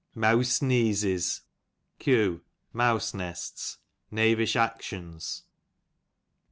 Meawse neezes, q. mouse nests^ knavish actions.